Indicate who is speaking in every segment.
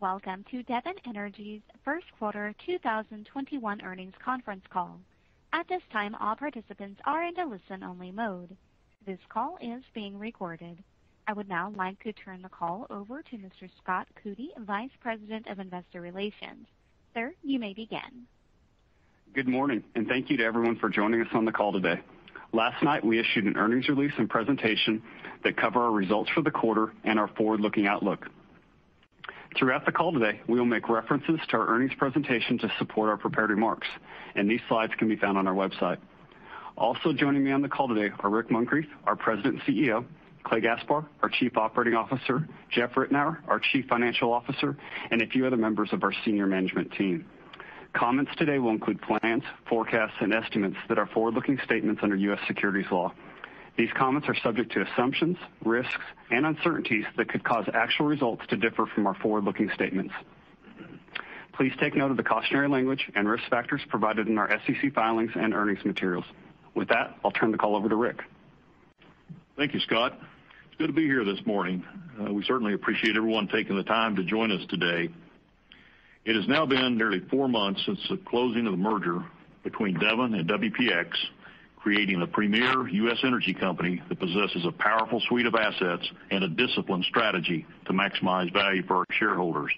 Speaker 1: Welcome to Devon Energy's first quarter 2021 earnings conference call. At this time, all participants are in a listen-only mode. This call is being recorded. I would now like to turn the call over to Mr. Scott Coody, Vice President of Investor Relations. Sir, you may begin.
Speaker 2: Good morning, and thank you to everyone for joining us on the call today. Last night, we issued an earnings release and presentation that cover our results for the quarter and our forward-looking outlook. Throughout the call today, we will make references to our earnings presentation to support our prepared remarks, and these slides can be found on our website. Joining me on the call today are Rick Muncrief, our President and CEO, Clay Gaspar, our Chief Operating Officer, Jeff Ritenour, our Chief Financial Officer, and a few other members of our senior management team. Comments today will include plans, forecasts, and estimates that are forward-looking statements under U.S. securities law. These comments are subject to assumptions, risks, and uncertainties that could cause actual results to differ from our forward-looking statements. Please take note of the cautionary language and risk factors provided in our SEC filings and earnings materials. With that, I'll turn the call over to Rick.
Speaker 3: Thank you, Scott. It's good to be here this morning. We certainly appreciate everyone taking the time to join us today. It has now been nearly four months since the closing of the merger between Devon and WPX, creating a premier U.S. energy company that possesses a powerful suite of assets and a disciplined strategy to maximize value for our shareholders.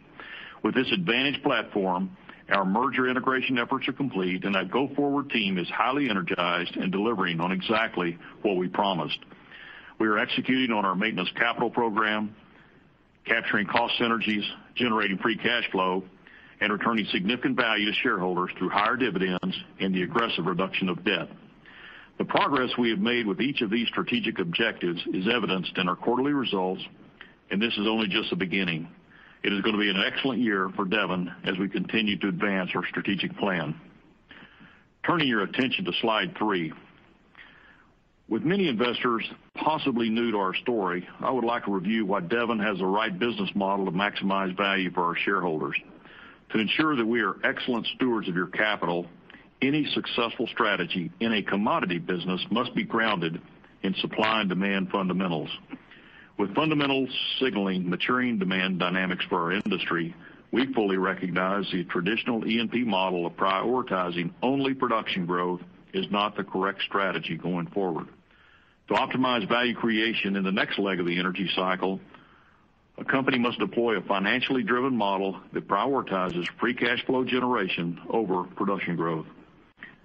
Speaker 3: With this advantage platform, our merger integration efforts are complete, and our go-forward team is highly energized and delivering on exactly what we promised. We are executing on our maintenance capital program, capturing cost synergies, generating free cash flow, and returning significant value to shareholders through higher dividends and the aggressive reduction of debt. The progress we have made with each of these strategic objectives is evidenced in our quarterly results, and this is only just the beginning. It is going to be an excellent year for Devon as we continue to advance our strategic plan. Turning your attention to slide three. With many investors possibly new to our story, I would like to review why Devon has the right business model to maximize value for our shareholders. To ensure that we are excellent stewards of your capital, any successful strategy in a commodity business must be grounded in supply and demand fundamentals. With fundamentals signaling maturing demand dynamics for our industry, we fully recognize the traditional E&P model of prioritizing only production growth is not the correct strategy going forward. To optimize value creation in the next leg of the energy cycle, a company must deploy a financially driven model that prioritizes free cash flow generation over production growth.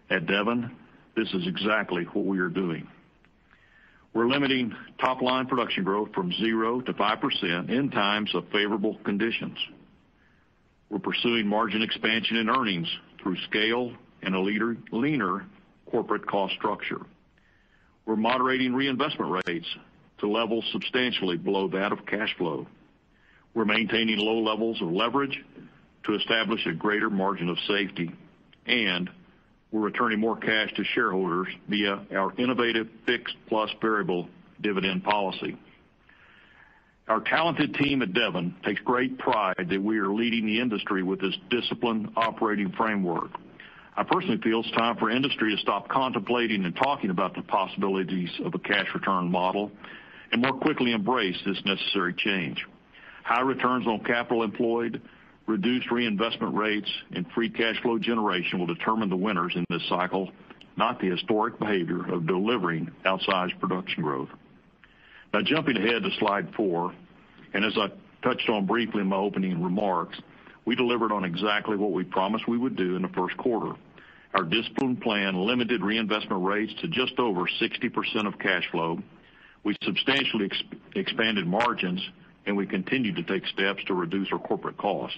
Speaker 3: At Devon, this is exactly what we are doing. We're limiting top-line production growth from 0%-5% in times of favorable conditions. We're pursuing margin expansion and earnings through scale and a leaner corporate cost structure. We're moderating reinvestment rates to levels substantially below that of cash flow. We're maintaining low levels of leverage to establish a greater margin of safety, and we're returning more cash to shareholders via our innovative fixed plus variable dividend policy. Our talented team at Devon takes great pride that we are leading the industry with this disciplined operating framework. I personally feel it's time for industry to stop contemplating and talking about the possibilities of a cash return model and more quickly embrace this necessary change. High returns on capital employed, reduced reinvestment rates, and free cash flow generation will determine the winners in this cycle, not the historic behavior of delivering outsized production growth. Jumping ahead to slide four, and as I touched on briefly in my opening remarks, we delivered on exactly what we promised we would do in the first quarter. Our disciplined plan limited reinvestment rates to just over 60% of cash flow. We substantially expanded margins, and we continued to take steps to reduce our corporate cost.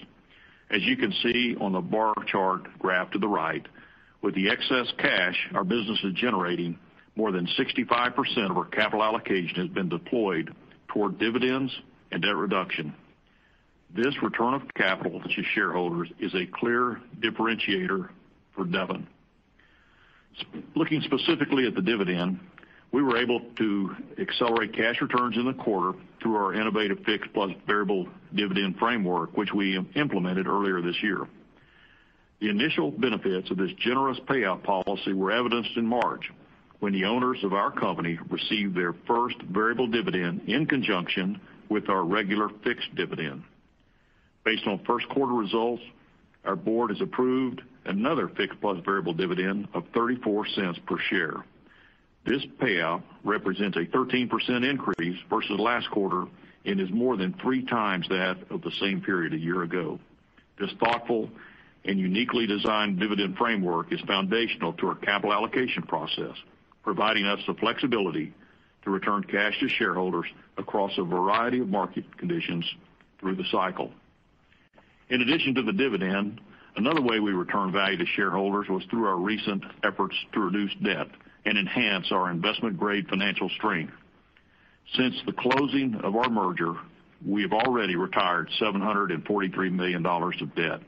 Speaker 3: As you can see on the bar chart graph to the right, with the excess cash our business is generating, more than 65% of our capital allocation has been deployed toward dividends and debt reduction. This return of capital to shareholders is a clear differentiator for Devon. Looking specifically at the dividend, we were able to accelerate cash returns in the quarter through our innovative fixed plus variable dividend framework, which we implemented earlier this year. The initial benefits of this generous payout policy were evidenced in March, when the owners of our company received their first variable dividend in conjunction with our regular fixed dividend. Based on first quarter results, our board has approved another fixed plus variable dividend of $0.34 per share. This payout represents a 13% increase versus last quarter and is more than three times that of the same period a year ago. This thoughtful and uniquely designed dividend framework is foundational to our capital allocation process, providing us the flexibility to return cash to shareholders across a variety of market conditions through the cycle. In addition to the dividend, another way we returned value to shareholders was through our recent efforts to reduce debt and enhance our investment-grade financial strength. Since the closing of our merger, we have already retired $743 million of debt.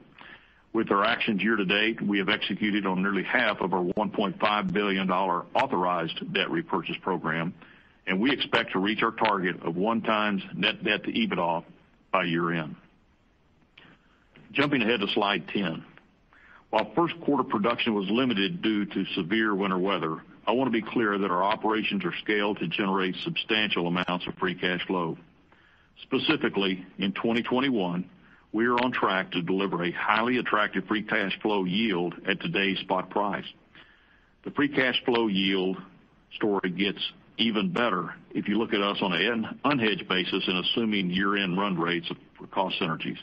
Speaker 3: With our actions year to date, we have executed on nearly half of our $1.5 billion authorized debt repurchase program. We expect to reach our target of one times net debt to EBITDA by year-end. Jumping ahead to slide 10. While first quarter production was limited due to severe winter weather, I want to be clear that our operations are scaled to generate substantial amounts of free cash flow. Specifically, in 2021, we are on track to deliver a highly attractive free cash flow yield at today's spot price. The free cash flow yield story gets even better if you look at us on an unhedged basis and assuming year-end run rates of cost synergies.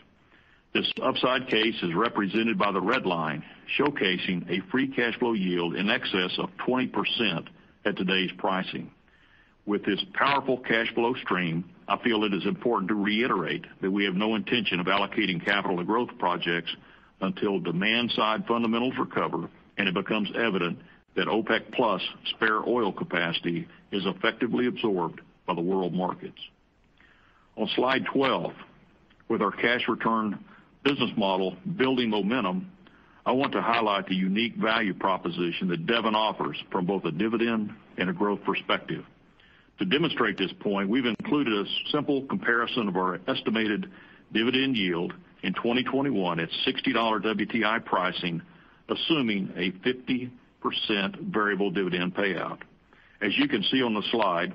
Speaker 3: This upside case is represented by the red line, showcasing a free cash flow yield in excess of 20% at today's pricing. With this powerful cash flow stream, I feel it is important to reiterate that we have no intention of allocating capital to growth projects until demand-side fundamentals recover and it becomes evident that OPEC+ spare oil capacity is effectively absorbed by the world markets. On slide 12, with our cash return business model building momentum, I want to highlight the unique value proposition that Devon offers from both a dividend and a growth perspective. To demonstrate this point, we've included a simple comparison of our estimated dividend yield in 2021 at $60 WTI pricing, assuming a 50% variable dividend payout. As you can see on the slide,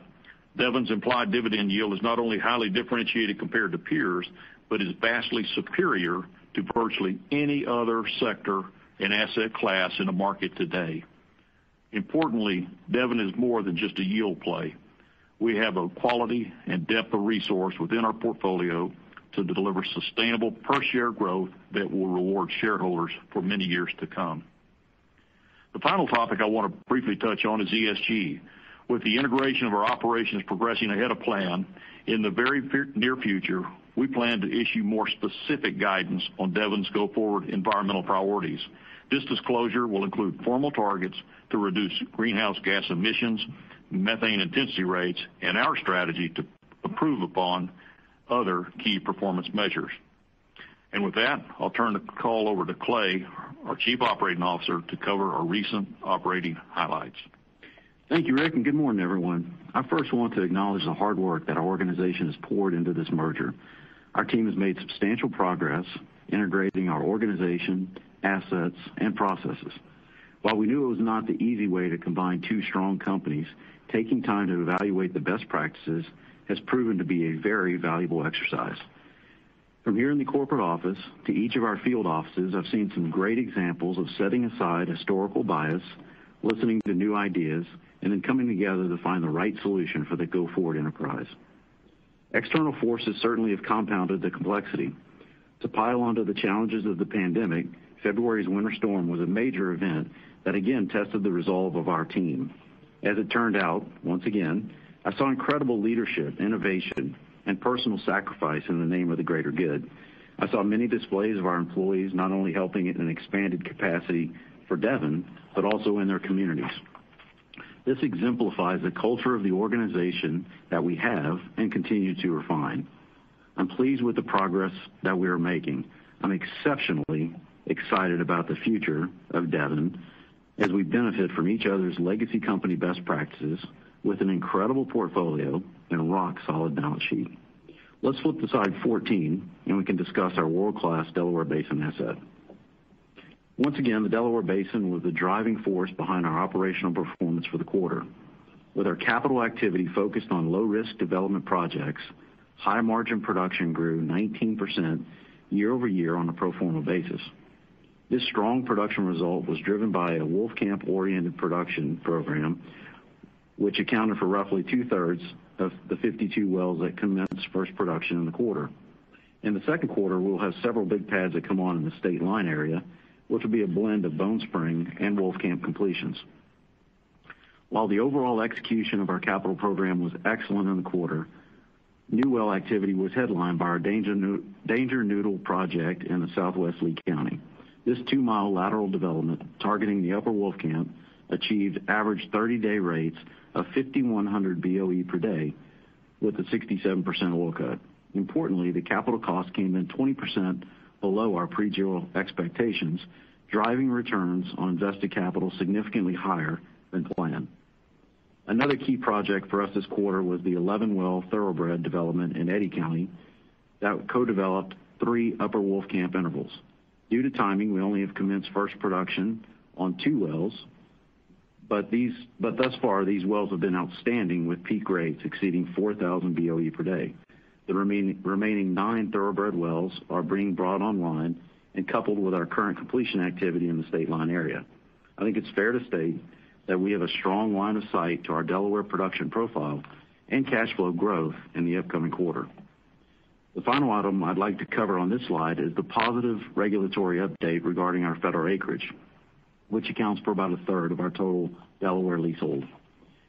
Speaker 3: Devon's implied dividend yield is not only highly differentiated compared to peers, but is vastly superior to virtually any other sector and asset class in the market today. Importantly, Devon is more than just a yield play. We have a quality and depth of resource within our portfolio to deliver sustainable per-share growth that will reward shareholders for many years to come. The final topic I want to briefly touch on is ESG. With the integration of our operations progressing ahead of plan, in the very near future, we plan to issue more specific guidance on Devon Energy's go-forward environmental priorities. This disclosure will include formal targets to reduce greenhouse gas emissions, methane intensity rates, and our strategy to improve upon other key performance measures. With that, I'll turn the call over to Clay, our Chief Operating Officer, to cover our recent operating highlights.
Speaker 4: Thank you, Rick, and good morning, everyone. I first want to acknowledge the hard work that our organization has poured into this merger. Our team has made substantial progress integrating our organization, assets, and processes. While we knew it was not the easy way to combine two strong companies, taking time to evaluate the best practices has proven to be a very valuable exercise. From here in the corporate office to each of our field offices, I've seen some great examples of setting aside historical bias, listening to new ideas, and then coming together to find the right solution for the go-forward enterprise. External forces certainly have compounded the complexity. To pile onto the challenges of the pandemic, February's winter storm was a major event that again tested the resolve of our team. As it turned out, once again, I saw incredible leadership, innovation, and personal sacrifice in the name of the greater good. I saw many displays of our employees not only helping in an expanded capacity for Devon, but also in their communities. This exemplifies the culture of the organization that we have and continue to refine. I'm pleased with the progress that we are making. I'm exceptionally excited about the future of Devon as we benefit from each other's legacy company best practices with an incredible portfolio and a rock-solid balance sheet. Let's flip to slide 14 and we can discuss our world-class Delaware Basin asset. Once again, the Delaware Basin was the driving force behind our operational performance for the quarter. With our capital activity focused on low-risk development projects, high-margin production grew 19% year-over-year on a pro forma basis. This strong production result was driven by a Wolfcamp-oriented production program, which accounted for roughly two-thirds of the 52 wells that commenced first production in the quarter. In the second quarter, we will have several big pads that come on in the Stateline area, which will be a blend of Bone Spring and Wolfcamp completions. While the overall execution of our capital program was excellent in the quarter, new well activity was headlined by our Danger Noodle project in the southwest Lea County. This two-mile lateral development, targeting the Upper Wolfcamp, achieved average 30-day rates of 5,100 BOE per day with a 67% oil cut. Importantly, the capital cost came in 20% below our pre-drill expectations, driving returns on invested capital significantly higher than planned. Another key project for us this quarter was the 11-well Thoroughbred development in Eddy County that co-developed three Upper Wolfcamp intervals. Due to timing, we only have commenced first production on two wells, but thus far, these wells have been outstanding, with peak rates exceeding 4,000 BOE per day. The remaining nine Thoroughbred wells are being brought online and coupled with our current completion activity in the Stateline area. I think it's fair to state that we have a strong line of sight to our Delaware production profile and cash flow growth in the upcoming quarter. The final item I'd like to cover on this slide is the positive regulatory update regarding our federal acreage, which accounts for about 1/3 of our total Delaware leasehold.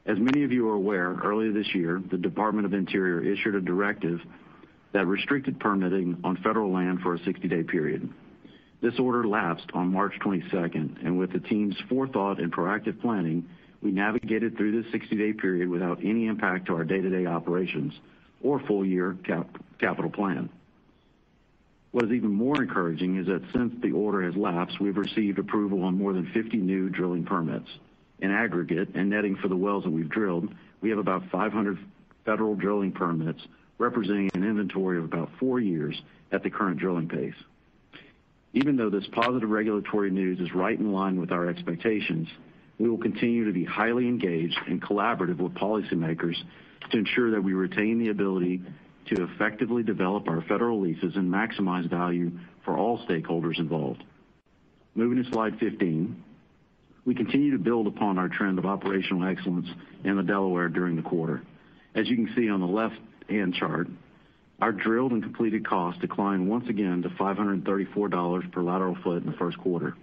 Speaker 4: As many of you are aware, earlier this year, the Department of Interior issued a directive that restricted permitting on federal land for a 60-day period. This order lapsed on March 22nd, and with the team's forethought and proactive planning, we navigated through this 60-day period without any impact to our day-to-day operations or full-year capital plan. What is even more encouraging is that since the order has lapsed, we've received approval on more than 50 new drilling permits. In aggregate and netting for the wells that we've drilled, we have about 500 federal drilling permits, representing an inventory of about four years at the current drilling pace. Even though this positive regulatory news is right in line with our expectations, we will continue to be highly engaged and collaborative with policymakers to ensure that we retain the ability to effectively develop our federal leases and maximize value for all stakeholders involved. Moving to slide 15. We continue to build upon our trend of operational excellence in the Delaware during the quarter. As you can see on the left-hand chart, our drilled and completed costs declined once again to $534 per lateral foot in the first quarter.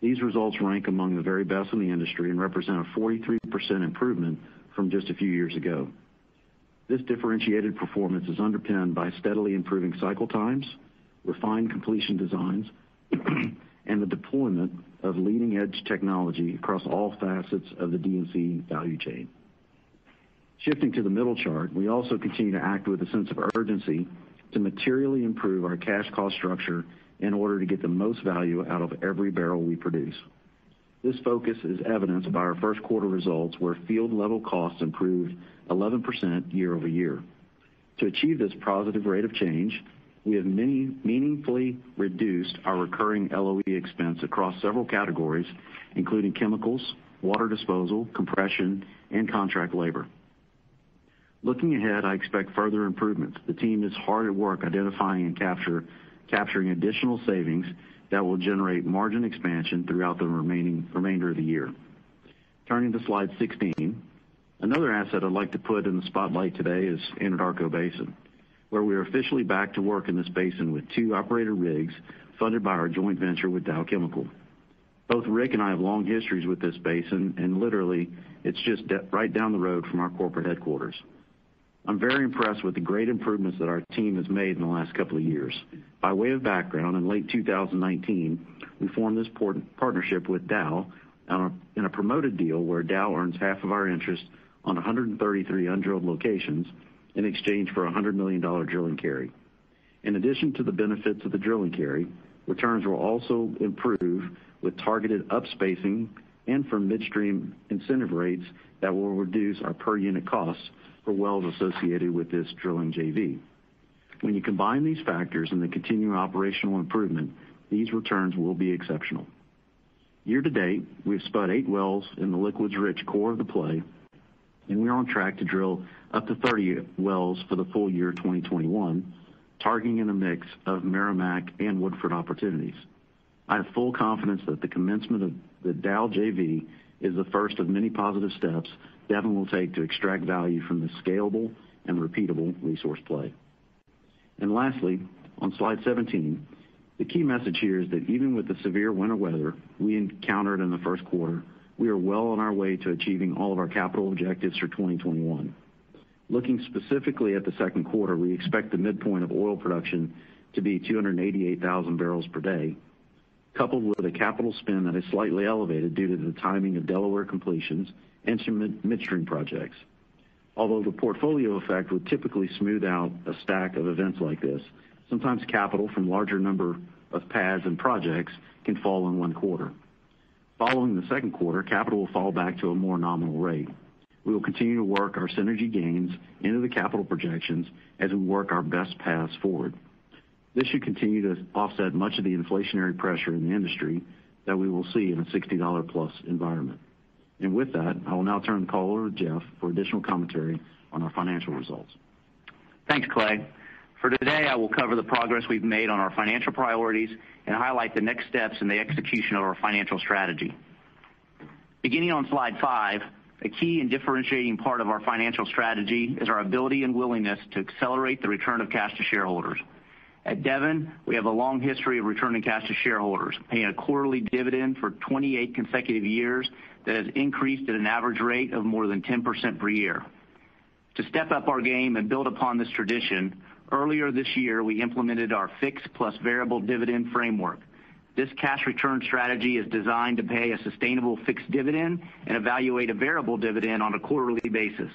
Speaker 4: These results rank among the very best in the industry and represent a 43% improvement from just a few years ago. This differentiated performance is underpinned by steadily improving cycle times, refined completion designs, and the deployment of leading-edge technology across all facets of the D&C value chain. Shifting to the middle chart, we also continue to act with a sense of urgency to materially improve our cash cost structure in order to get the most value out of every barrel we produce. This focus is evidenced by our first quarter results, where field-level costs improved 11% year-over-year. To achieve this positive rate of change, we have meaningfully reduced our recurring LOE expense across several categories, including chemicals, water disposal, compression, and contract labor. Looking ahead, I expect further improvements. The team is hard at work identifying and capturing additional savings that will generate margin expansion throughout the remainder of the year. Turning to slide 16. Another asset I'd like to put in the spotlight today is Anadarko Basin, where we are officially back to work in this basin with two operator rigs funded by our joint venture with Dow Chemical. Both Rick and I have long histories with this basin, and literally, it's just right down the road from our corporate headquarters. I'm very impressed with the great improvements that our team has made in the last couple of years. By way of background, in late 2019, we formed this partnership with Dow in a promoted deal where Dow earns half of our interest on 133 undrilled locations in exchange for a $100 million drilling carry. In addition to the benefits of the drilling carry, returns will also improve with targeted up-spacing and from midstream incentive rates that will reduce our per-unit costs for wells associated with this drilling JV. When you combine these factors and the continuing operational improvement, these returns will be exceptional. Year to date, we've spud eight wells in the liquids-rich core of the play, and we are on track to drill up to 30 wells for the full year 2021, targeting in a mix of Meramec and Woodford opportunities. I have full confidence that the commencement of the Dow JV is the first of many positive steps Devon will take to extract value from this scalable and repeatable resource play. Lastly, on slide 17, the key message here is that even with the severe winter weather we encountered in the first quarter, we are well on our way to achieving all of our capital objectives for 2021. Looking specifically at the second quarter, we expect the midpoint of oil production to be 288,000 barrels per day, coupled with a capital spend that is slightly elevated due to the timing of Delaware completions and some midstream projects. Although the portfolio effect would typically smooth out a STACK of events like this, sometimes capital from larger number of pads and projects can fall in one quarter. Following the second quarter, capital will fall back to a more nominal rate. We will continue to work our synergy gains into the capital projections as we work our best paths forward. This should continue to offset much of the inflationary pressure in the industry that we will see in a $60+ environment. With that, I will now turn the call over to Jeff for additional commentary on our financial results.
Speaker 5: Thanks, Clay. For today, I will cover the progress we've made on our financial priorities and highlight the next steps in the execution of our financial strategy. Beginning on slide five, a key and differentiating part of our financial strategy is our ability and willingness to accelerate the return of cash to shareholders. At Devon Energy, we have a long history of returning cash to shareholders, paying a quarterly dividend for 28 consecutive years that has increased at an average rate of more than 10% per year. To step up our game and build upon this tradition, earlier this year, we implemented our fixed plus variable dividend framework. This cash return strategy is designed to pay a sustainable fixed dividend and evaluate a variable dividend on a quarterly basis.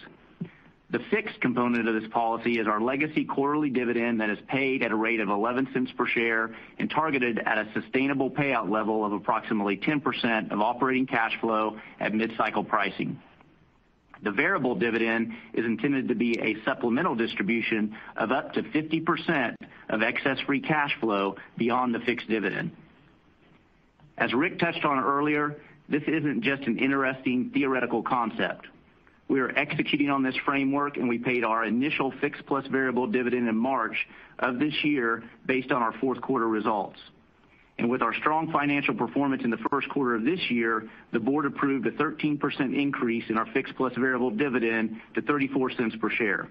Speaker 5: The fixed component of this policy is our legacy quarterly dividend that is paid at a rate of $0.11 per share and targeted at a sustainable payout level of approximately 10% of operating cash flow at mid-cycle pricing. The variable dividend is intended to be a supplemental distribution of up to 50% of excess free cash flow beyond the fixed dividend. As Rick touched on earlier, this isn't just an interesting theoretical concept. We are executing on this framework, and we paid our initial fixed plus variable dividend in March of this year based on our fourth quarter results. With our strong financial performance in the first quarter of this year, the board approved a 13% increase in our fixed plus variable dividend to $0.34 per share.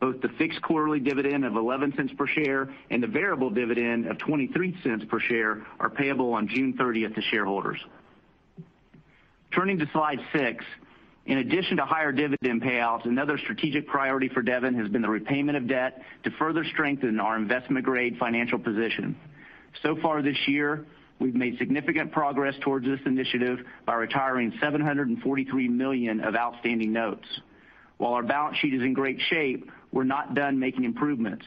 Speaker 5: Both the fixed quarterly dividend of $0.11 per share and the variable dividend of $0.23 per share are payable on June 30th to shareholders. Turning to slide six. In addition to higher dividend payouts, another strategic priority for Devon has been the repayment of debt to further strengthen our investment-grade financial position. So far this year, we've made significant progress towards this initiative by retiring $743 million of outstanding notes. While our balance sheet is in great shape, we're not done making improvements.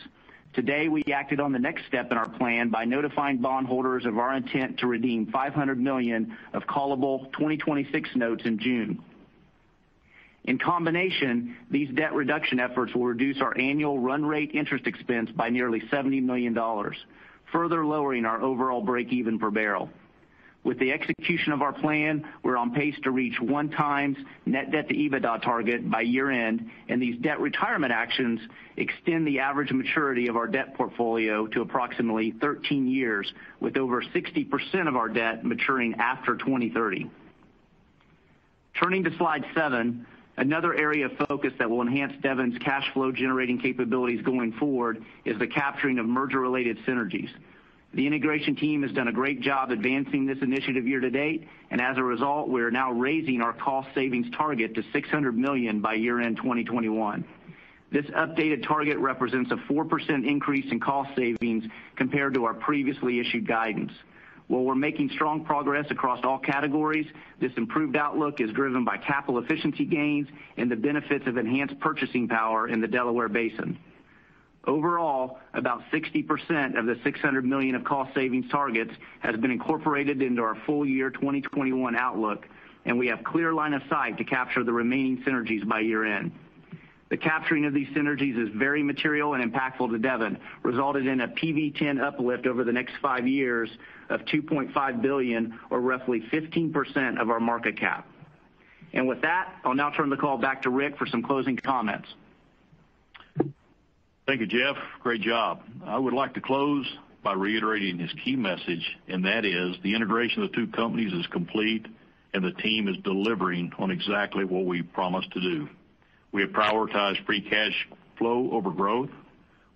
Speaker 5: Today, we acted on the next step in our plan by notifying bondholders of our intent to redeem $500 million of callable 2026 notes in June. In combination, these debt reduction efforts will reduce our annual run rate interest expense by nearly $70 million, further lowering our overall breakeven per barrel. With the execution of our plan, we're on pace to reach one times net debt to EBITDA target by year-end. These debt retirement actions extend the average maturity of our debt portfolio to approximately 13 years, with over 60% of our debt maturing after 2030. Turning to slide seven, another area of focus that will enhance Devon Energy's cash flow generating capabilities going forward is the capturing of merger-related synergies. The integration team has done a great job advancing this initiative year to date. As a result, we're now raising our cost savings target to $600 million by year-end 2021. This updated target represents a 4% increase in cost savings compared to our previously issued guidance. While we're making strong progress across all categories, this improved outlook is driven by capital efficiency gains and the benefits of enhanced purchasing power in the Delaware Basin. Overall, about 60% of the $600 million of cost savings targets has been incorporated into our full year 2021 outlook, and we have clear line of sight to capture the remaining synergies by year-end. The capturing of these synergies is very material and impactful to Devon, resulted in a PV-10 uplift over the next five years of $2.5 billion or roughly 15% of our market cap. With that, I'll now turn the call back to Rick for some closing comments
Speaker 3: Thank you, Jeff. Great job. I would like to close by reiterating his key message, and that is the integration of the two companies is complete, and the team is delivering on exactly what we promised to do. We have prioritized free cash flow over growth.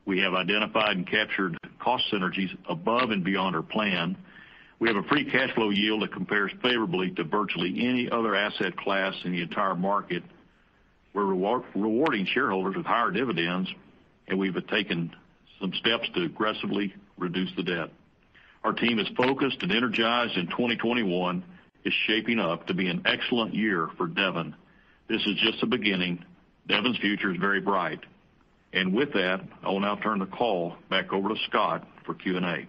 Speaker 3: We have identified and captured cost synergies above and beyond our plan. We have a free cash flow yield that compares favorably to virtually any other asset class in the entire market. We're rewarding shareholders with higher dividends, and we've taken some steps to aggressively reduce the debt. Our team is focused and energized. 2021 is shaping up to be an excellent year for Devon. This is just the beginning. Devon's future is very bright. With that, I will now turn the call back over to Scott for Q&A.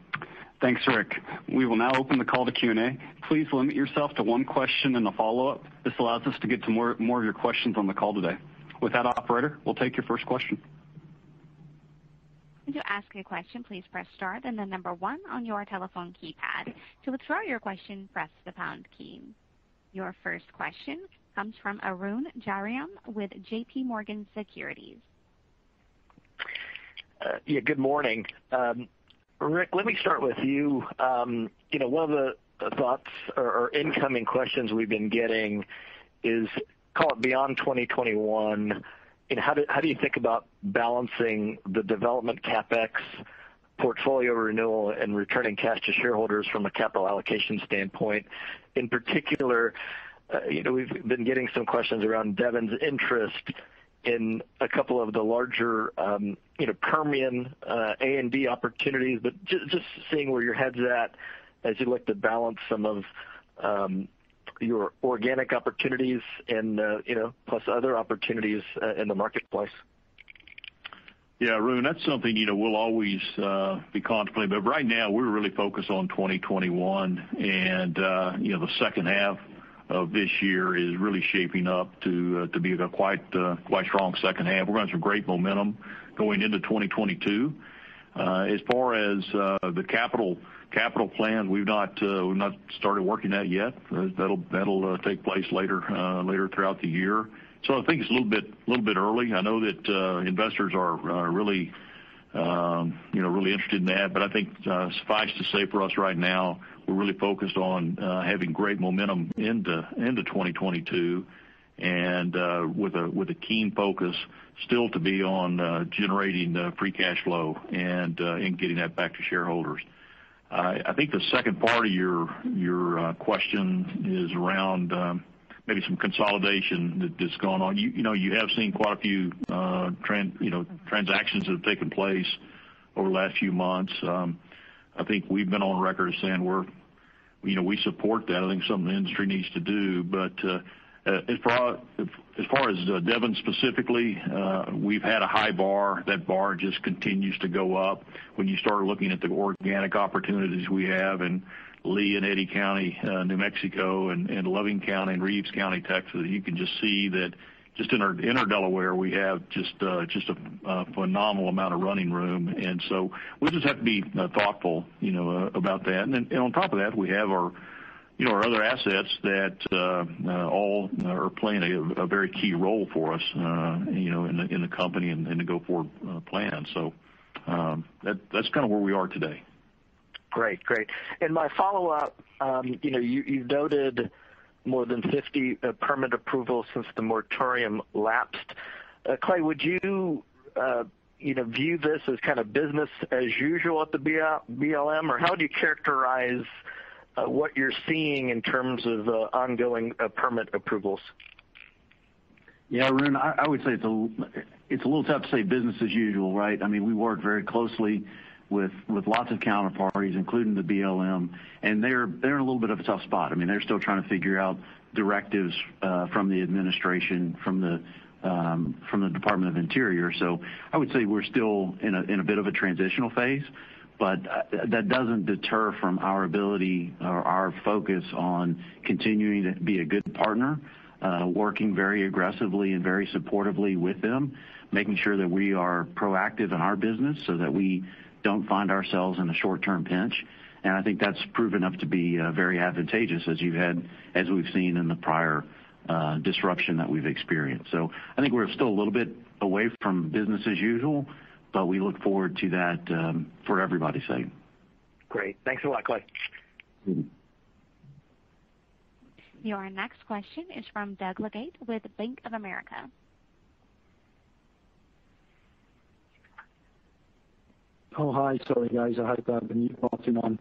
Speaker 2: Thanks, Rick. We will now open the call to Q&A. Please limit yourself to one question and a follow-up. This allows us to get to more of your questions on the call today. With that, operator, we'll take your first question.
Speaker 1: To ask your question please press star then your number one on your telephone keypad. To withdraw your question press the pound key. Your first question comes from Arun Jayaram with JPMorgan Securities.
Speaker 6: Good morning. Rick, let me start with you. One of the thoughts or incoming questions we've been getting is, call it beyond 2021, how do you think about balancing the development CapEx portfolio renewal and returning cash to shareholders from a capital allocation standpoint? In particular, we've been getting some questions around Devon's interest in a couple of the larger Permian A&D opportunities. Just seeing where your head's at as you look to balance some of your organic opportunities and plus other opportunities in the marketplace.
Speaker 3: Yeah. Arun Jayaram, that's something we'll always be contemplating. Right now, we're really focused on 2021. The second half of this year is really shaping up to be a quite strong second half. We're running some great momentum going into 2022. As far as the capital plan, we've not started working that yet. That'll take place later throughout the year. I think it's a little bit early. I know that investors are really interested in that. I think suffice to say, for us right now, we're really focused on having great momentum into 2022, and with a keen focus still to be on generating free cash flow and getting that back to shareholders. I think the second part of your question is around maybe some consolidation that's gone on. You have seen quite a few transactions that have taken place over the last few months. I think we've been on record as saying we support that. As far as Devon specifically, we've had a high bar. That bar just continues to go up. When you start looking at the organic opportunities we have in Lea and Eddy County, New Mexico, and Loving County, and Reeves County, Texas, you can just see that just in our Delaware, we have just a phenomenal amount of running room. We just have to be thoughtful about that. On top of that, we have our other assets that all are playing a very key role for us in the company and the go-forward plan. That's kind of where we are today.
Speaker 6: Great. My follow-up, you noted more than 50 permit approvals since the moratorium lapsed. Clay, would you view this as kind of business as usual at the BLM? Or how do you characterize what you're seeing in terms of ongoing permit approvals?
Speaker 4: Yeah. Arun, I would say it's a little tough to say business as usual, right? We work very closely with lots of counterparties, including the BLM, and they're in a little bit of a tough spot. They're still trying to figure out directives from the administration. From the Department of Interior. I would say we're still in a bit of a transitional phase, but that doesn't deter from our ability or our focus on continuing to be a good partner, working very aggressively and very supportively with them, making sure that we are proactive in our business so that we don't find ourselves in a short-term pinch. I think that's proven up to be very advantageous as we've seen in the prior disruption that we've experienced. I think we're still a little bit away from business as usual, but we look forward to that for everybody's sake.
Speaker 6: Great. Thanks a lot, Clay.
Speaker 1: Your next question is from Doug Leggate with Bank of America.
Speaker 7: Oh, hi. Sorry, guys. I hope I haven't been talking on.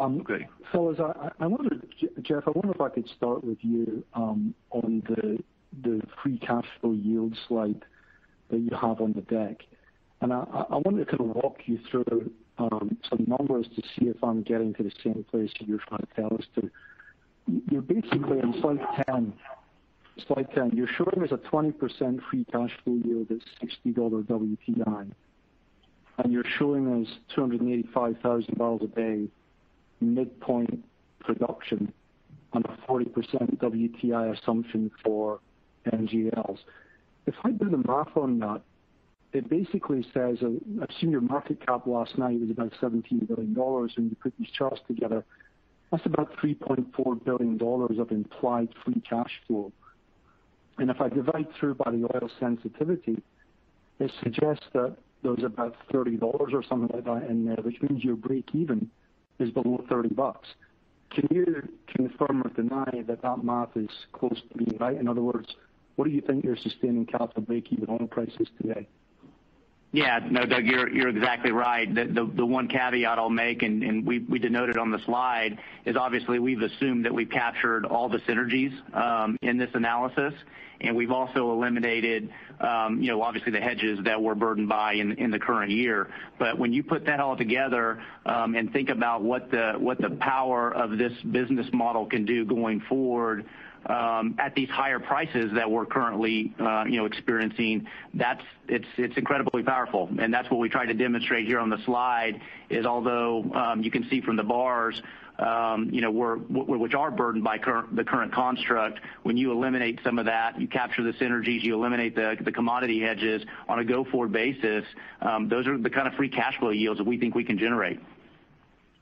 Speaker 4: Okay.
Speaker 7: I wonder, Jeff, I wonder if I could start with you on the free cash flow yield slide that you have on the deck. I wonder if you could walk you through some numbers to see if I'm getting to the same place that you're trying to tell us to. You're basically on slide 10, you're showing us a 20% free cash flow yield at $60 WTI, and you're showing us 285,000 barrels a day midpoint production on a 40% WTI assumption for NGLs. If I do the math on that, it basically says, I've seen your market cap last night was about $17 billion, and you put these charts together, that's about $3.4 billion of implied free cash flow. If I divide through by the oil sensitivity, it suggests that there's about $30 or something like that in there, which means your breakeven is below $30. Can you confirm or deny that that math is close to being right? In other words, what do you think your sustaining capital breakeven oil price is today?
Speaker 5: No, Doug, you're exactly right. The one caveat I'll make, we denote it on the slide, is obviously we've assumed that we've captured all the synergies in this analysis, we've also eliminated obviously the hedges that we're burdened by in the current year. When you put that all together, think about what the power of this business model can do going forward, at these higher prices that we're currently experiencing, it's incredibly powerful. That's what we try to demonstrate here on the slide, is although you can see from the bars which are burdened by the current construct, when you eliminate some of that, you capture the synergies, you eliminate the commodity hedges on a go-forward basis, those are the kind of free cash flow yields that we think we can generate.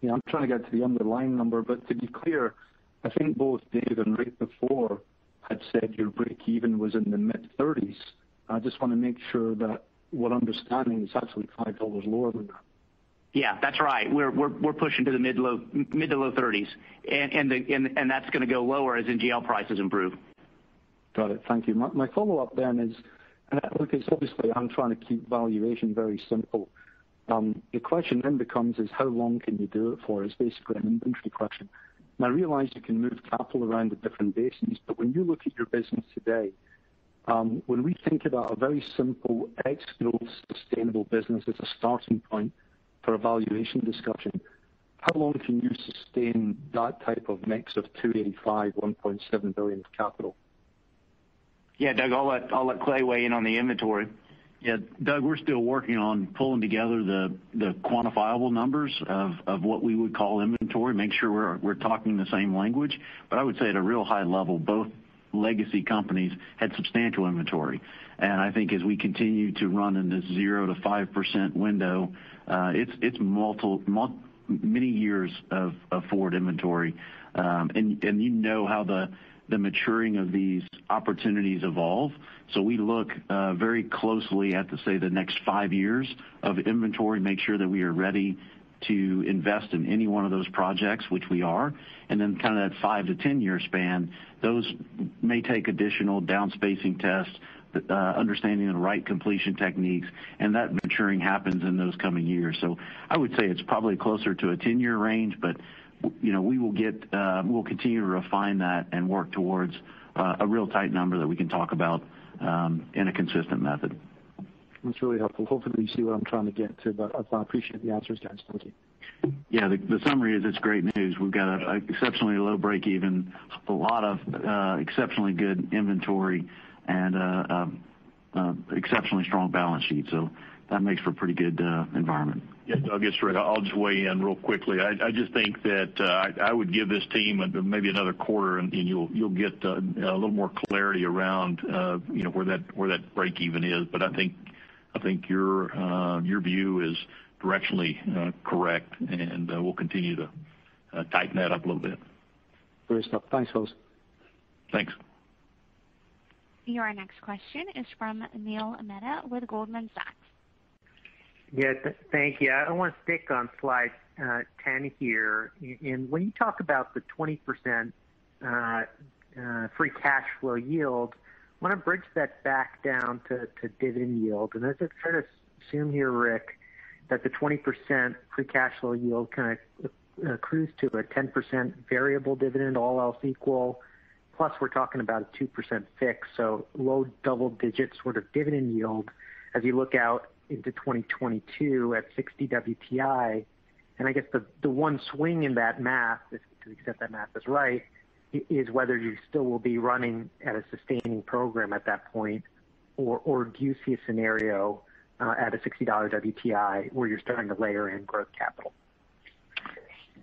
Speaker 7: Yeah, I'm trying to get to the underlying number, but to be clear, I think both David and Rick before had said your breakeven was in the mid-30s. I just want to make sure that what I'm understanding is actually $5 lower than that.
Speaker 5: Yeah, that's right. We're pushing to the mid to low 30s. That's going to go lower as NGL prices improve.
Speaker 7: Got it. Thank you. My follow-up then is, look, it's obviously I'm trying to keep valuation very simple. The question then becomes is how long can you do it for? Is basically an inventory question. I realize you can move capital around at different basins, but when you look at your business today, when we think about a very simple X bills sustainable business as a starting point for a valuation discussion, how long can you sustain that type of mix of $285, $1.7 billion of capital?
Speaker 5: Yeah, Doug, I'll let Clay weigh in on the inventory.
Speaker 4: Doug, we're still working on pulling together the quantifiable numbers of what we would call inventory, make sure we're talking the same language. I would say at a real high level, both legacy companies had substantial inventory. I think as we continue to run in this 0%-5% window, it's many years of forward inventory. You know how the maturing of these opportunities evolve. We look very closely at, say, the next five years of inventory, make sure that we are ready to invest in any one of those projects, which we are. That five- to 10-year span, those may take additional down-spacing tests, understanding the right completion techniques, and that maturing happens in those coming years. I would say it's probably closer to a 10-year range, but we'll continue to refine that and work towards a real tight number that we can talk about in a consistent method.
Speaker 7: That's really helpful. Hopefully, you see what I'm trying to get to, but I appreciate the answers, guys. Thank you.
Speaker 4: Yeah, the summary is it's great news. We've got an exceptionally low breakeven, a lot of exceptionally good inventory, and exceptionally strong balance sheet. That makes for a pretty good environment.
Speaker 3: Yeah. Doug, it's Rick. I'll just weigh in real quickly. I just think that I would give this team maybe another quarter, and you'll get a little more clarity around where that breakeven is. I think your view is directionally correct, and we'll continue to tighten that up a little bit.
Speaker 7: Great stuff. Thanks, folks.
Speaker 3: Thanks.
Speaker 1: Your next question is from Neil Mehta with Goldman Sachs.
Speaker 8: Yeah. Thank you. I want to stick on slide 10 here. When you talk about the 20% free cash flow yield, I want to bridge that back down to dividend yield. I just assume here, Rick, that the 20% free cash flow yield kind of accrues to a 10% variable dividend, all else equal, plus we're talking about a 2% fix, so low double digits sort of dividend yield as you look out into 2022 at $60 WTI. I guess the one swing in that math, to the extent that math is right, is whether you still will be running at a sustaining program at that point. Do you see a scenario at a $60 WTI where you're starting to layer in growth capital?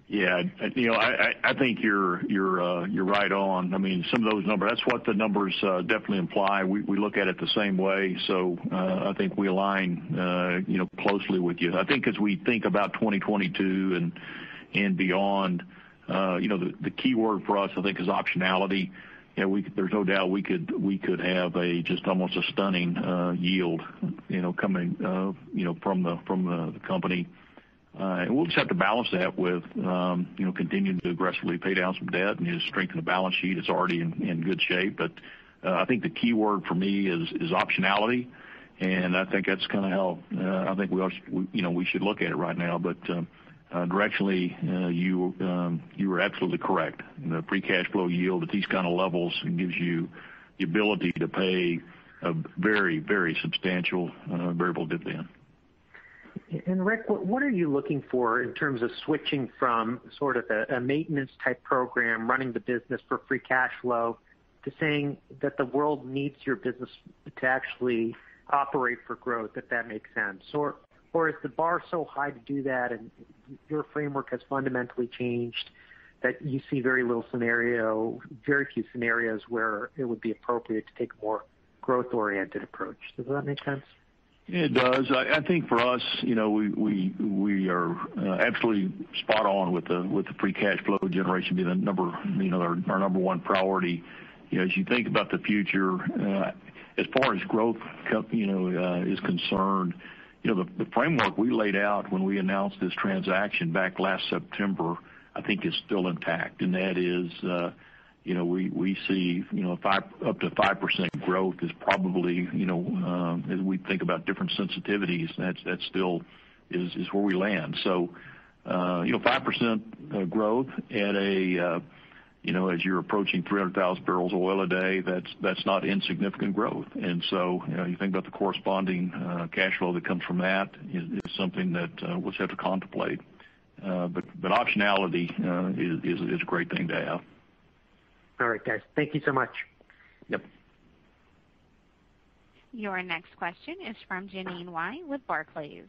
Speaker 3: Yeah. I think you're right on. That's what the numbers definitely imply. We look at it the same way. I think we align closely with you. I think as we think about 2022 and beyond, the key word for us, I think, is optionality. There's no doubt we could have just almost a stunning yield coming from the company. We'll just have to balance that with continuing to aggressively pay down some debt and just strengthen the balance sheet. It's already in good shape, but I think the key word for me is optionality, and I think that's how we should look at it right now. Directionally, you are absolutely correct. The free cash flow yield at these kind of levels gives you the ability to pay a very substantial variable dividend.
Speaker 8: Rick, what are you looking for in terms of switching from sort of a maintenance type program, running the business for free cash flow, to saying that the world needs your business to actually operate for growth, if that makes sense? Or is the bar so high to do that and your framework has fundamentally changed that you see very few scenarios where it would be appropriate to take a more growth-oriented approach? Does that make sense?
Speaker 3: It does. I think for us, we are absolutely spot on with the free cash flow generation being our number one priority. As you think about the future, as far as growth is concerned, the framework we laid out when we announced this transaction back last September, I think is still intact. That is, we see up to 5% growth is probably, as we think about different sensitivities, that still is where we land. 5% growth as you're approaching 300,000 barrels of oil a day, that's not insignificant growth. You think about the corresponding cash flow that comes from that is something that we'll just have to contemplate. Optionality is a great thing to have.
Speaker 8: All right, guys. Thank you so much.
Speaker 3: Yep.
Speaker 1: Your next question is from Jeanine Wai with Barclays.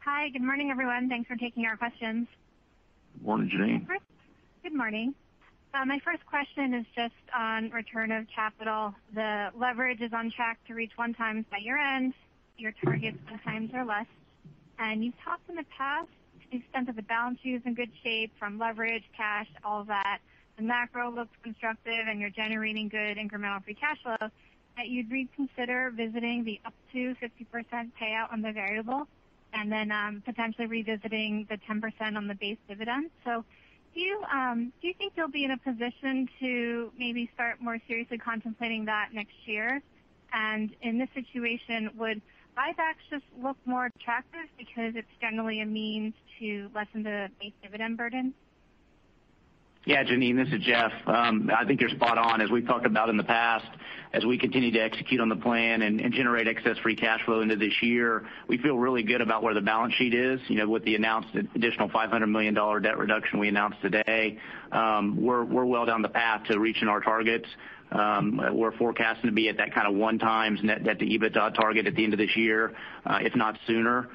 Speaker 9: Hi, good morning, everyone. Thanks for taking our questions.
Speaker 3: Good morning, Jeanine.
Speaker 9: Rick? Good morning. My first question is just on return of capital. The leverage is on track to reach one time by year-end. Your target is times or less. You've talked in the past to the extent that the balance sheet is in good shape from leverage, cash, all that, the macro looks constructive, and you're generating good incremental free cash flow, that you'd reconsider visiting the up to 50% payout on the variable, and then potentially revisiting the 10% on the base dividend. Do you think you'll be in a position to maybe start more seriously contemplating that next year? In this situation, would buybacks just look more attractive because it's generally a means to lessen the base dividend burden?
Speaker 5: Jeanine, this is Jeff. I think you're spot on. As we've talked about in the past, as we continue to execute on the plan and generate excess free cash flow into this year, we feel really good about where the balance sheet is. With the additional $500 million debt reduction we announced today, we're well down the path to reaching our targets. We're forecasting to be at that kind of one times net debt to EBITDA target at the end of this year, if not sooner.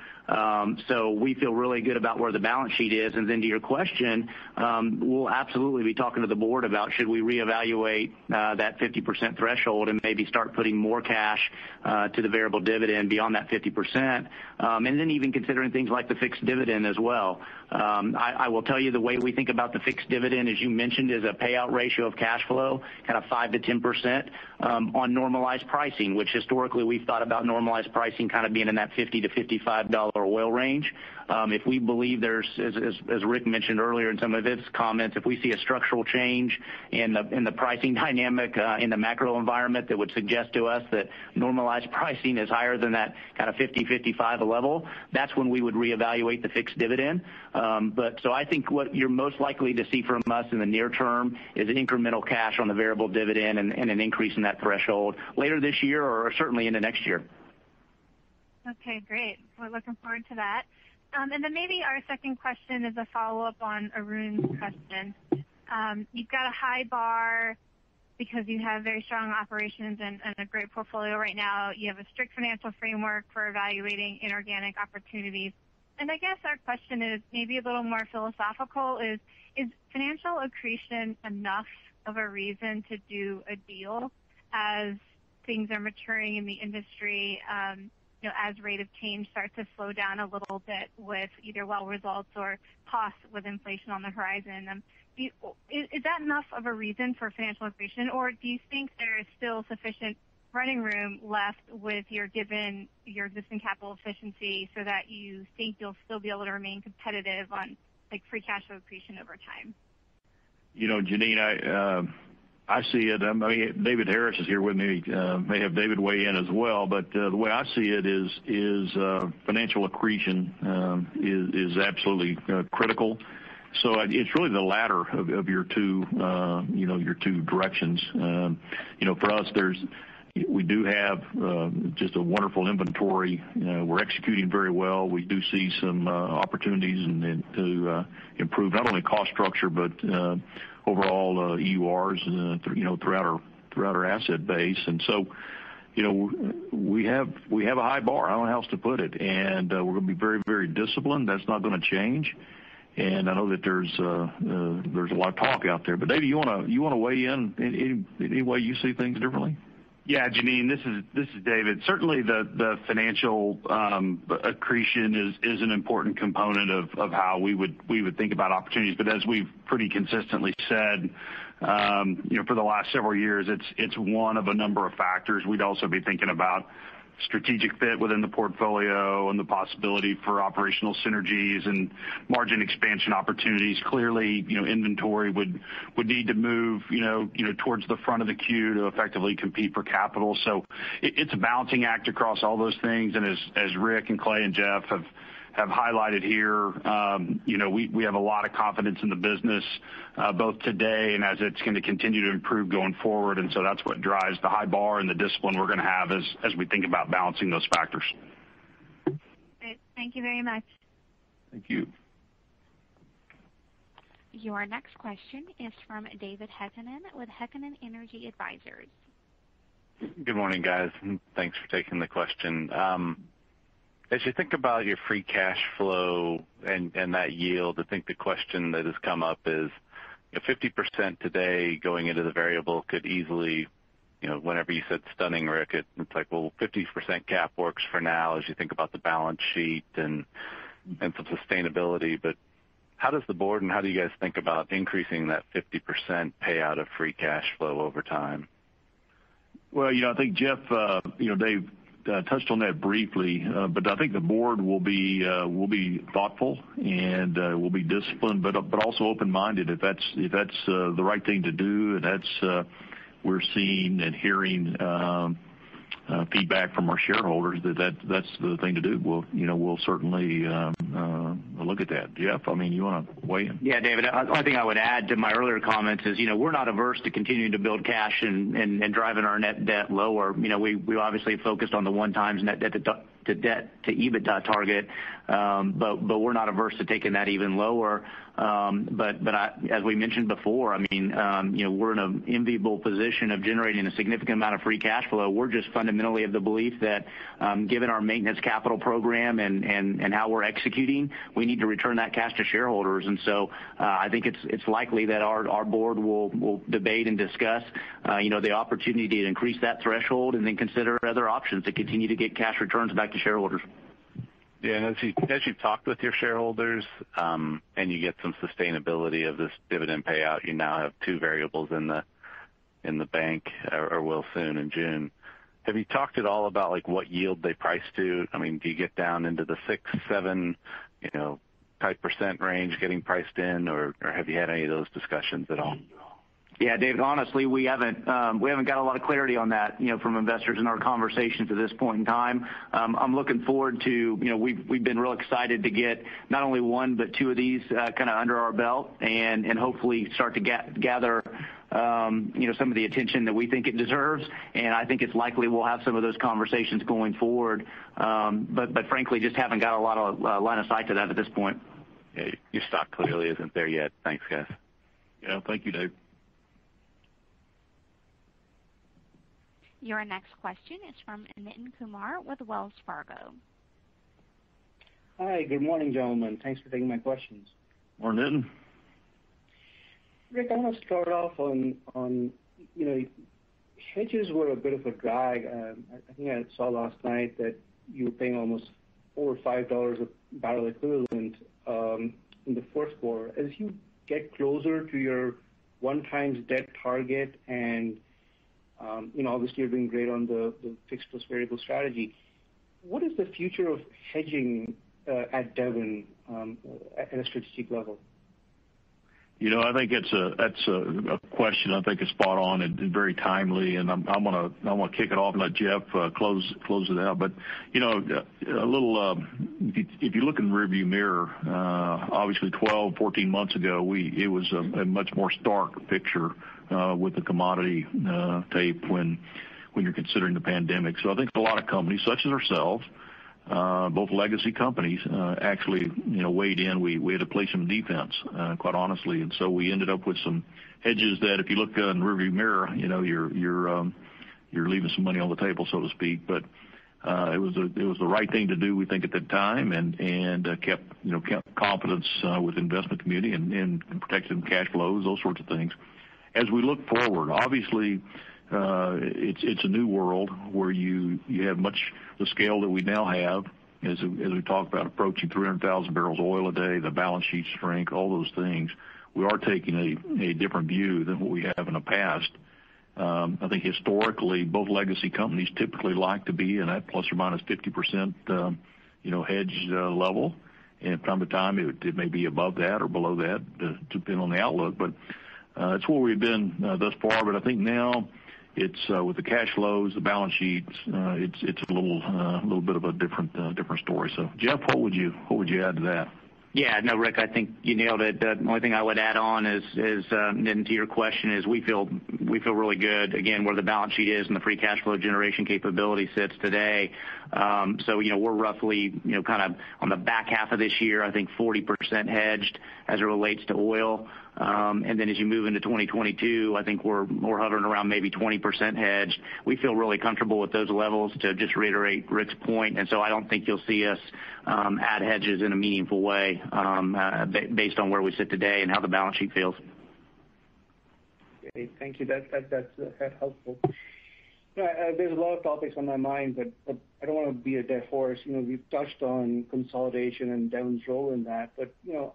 Speaker 5: We feel really good about where the balance sheet is. To your question, we'll absolutely be talking to the board about should we reevaluate that 50% threshold and maybe start putting more cash to the variable dividend beyond that 50%. Even considering things like the fixed dividend as well. I will tell you the way we think about the fixed dividend, as you mentioned, is a payout ratio of cash flow, kind of 5%-10% on normalized pricing, which historically we've thought about normalized pricing kind of being in that $50-$55 oil range. If we believe there's, as Rick mentioned earlier in some of his comments, if we see a structural change in the pricing dynamic in the macro environment, that would suggest to us that normalized pricing is higher than that kind of $50, $55 level. That's when we would reevaluate the fixed dividend. I think what you're most likely to see from us in the near term is incremental cash on the variable dividend and an increase in that threshold later this year or certainly into next year.
Speaker 9: Okay, great. We're looking forward to that. Maybe our second question is a follow-up on Arun's question. You've got a high bar because you have very strong operations and a great portfolio right now. You have a strict financial framework for evaluating inorganic opportunities. I guess our question is maybe a little more philosophical. Is financial accretion enough of a reason to do a deal as things are maturing in the industry, as rate of change starts to slow down a little bit with either well results or costs with inflation on the horizon? Is that enough of a reason for financial accretion, or do you think there is still sufficient running room left with your existing capital efficiency so that you think you'll still be able to remain competitive on free cash flow accretion over time?
Speaker 3: Jeanine, I see it. David Hager is here with me. May have David weigh in as well, but the way I see it is financial accretion is absolutely critical. It's really the latter of your two directions. For us, we do have just a wonderful inventory. We're executing very well. We do see some opportunities to improve, not only cost structure, but overall EURs throughout our asset base. We have a high bar. I don't know how else to put it. We're going to be very disciplined. That's not going to change. I know that there's a lot of talk out there, but David, you want to weigh in any way you see things differently?
Speaker 10: Jeanine, this is David. Certainly, the financial accretion is an important component of how we would think about opportunities. As we've pretty consistently said for the last several years, it's one of a number of factors. We'd also be thinking about strategic fit within the portfolio and the possibility for operational synergies and margin expansion opportunities. Clearly, inventory would need to move towards the front of the queue to effectively compete for capital. It's a balancing act across all those things. As Rick and Clay and Jeff have highlighted here, we have a lot of confidence in the business both today and as it's going to continue to improve going forward. That's what drives the high bar and the discipline we're going to have as we think about balancing those factors.
Speaker 9: Great. Thank you very much.
Speaker 3: Thank you.
Speaker 1: Your next question is from David Heikkinen with Heikkinen Energy Advisors.
Speaker 11: Good morning, guys. Thanks for taking the question. As you think about your free cash flow and that yield, I think the question that has come up is, if 50% today going into the variable could easily, whenever you said stunning, Rick, it's like, well, 50% cap works for now as you think about the balance sheet and some sustainability. How does the board and how do you guys think about increasing that 50% payout of free cash flow over time?
Speaker 3: Well, I think Jeff, Dave touched on that briefly. I think the board will be thoughtful and will be disciplined but also open-minded if that's the right thing to do, and we're seeing and hearing feedback from our shareholders that that's the thing to do. We'll certainly look at that. Jeff, you want to weigh in?
Speaker 5: Yeah, David, only thing I would add to my earlier comments is, we're not averse to continuing to build cash and driving our net debt lower. We obviously have focused on the one times net debt to EBITDA target. We're not averse to taking that even lower. As we mentioned before, we're in an enviable position of generating a significant amount of free cash flow. We're just fundamentally of the belief that given our maintenance capital program and how we're executing, we need to return that cash to shareholders. I think it's likely that our board will debate and discuss the opportunity to increase that threshold and then consider other options to continue to get cash returns back to shareholders.
Speaker 11: Yeah. As you've talked with your shareholders, and you get some sustainability of this dividend payout, you now have two variables in the bank, or will soon in June. Have you talked at all about what yield they price to? Do you get down into the 6%, 7% type percent range getting priced in, or have you had any of those discussions at all?
Speaker 5: Yeah, David, honestly, we haven't got a lot of clarity on that from investors in our conversations at this point in time. We've been real excited to get not only one but two of these under our belt and hopefully start to gather some of the attention that we think it deserves. I think it's likely we'll have some of those conversations going forward. Frankly, just haven't got a lot of line of sight to that at this point.
Speaker 11: Yeah. Your stock clearly isn't there yet. Thanks, guys.
Speaker 3: Yeah. Thank you, Dave.
Speaker 1: Your next question is from Nitin Kumar with Wells Fargo.
Speaker 12: Hi. Good morning, gentlemen. Thanks for taking my questions.
Speaker 3: Morning, Nitin.
Speaker 12: Rick, I want to start off on, hedges were a bit of a drag. I think I saw last night that you were paying almost $4 or $5 a barrel equivalent in the fourth quarter. As you get closer to your one times debt target and obviously you're doing great on the fixed plus variable strategy, what is the future of hedging at Devon at a strategic level?
Speaker 3: I think that's a question I think is spot on and very timely, and I'm going to kick it off and let Jeff close it out. If you look in the rearview mirror, obviously 12, 14 months ago, it was a much more stark picture with the commodity tape when you're considering the pandemic. I think a lot of companies, such as ourselves, both legacy companies, actually weighed in. We had to play some defense, quite honestly. We ended up with some hedges that if you look in the rearview mirror, you're leaving some money on the table, so to speak. It was the right thing to do, we think, at the time, and kept confidence with the investment community and protected some cash flows, those sorts of things. As we look forward, obviously it's a new world where you have much the scale that we now have as we talk about approaching 300,000 barrels of oil a day, the balance sheet strength, all those things. We are taking a different view than what we have in the past. I think historically, both legacy companies typically like to be in that ±50% hedge level. From time to time, it may be above that or below that, depending on the outlook. It's where we've been thus far. I think now, with the cash flows, the balance sheets, it's a little bit of a different story. Jeff, what would you add to that?
Speaker 5: No, Rick, I think you nailed it. The only thing I would add on is, Nitin, to your question, is we feel really good, again, where the balance sheet is and the free cash flow generation capability sits today. We're roughly, on the back half of this year, I think 40% hedged as it relates to oil. As you move into 2022, I think we're more hovering around maybe 20% hedged. We feel really comfortable with those levels, to just reiterate Rick's point. I don't think you'll see us add hedges in a meaningful way, based on where we sit today and how the balance sheet feels.
Speaker 12: Okay, thank you. That's helpful. There's a lot of topics on my mind, but I don't want to beat a dead horse. We've touched on consolidation and Devon's role in that.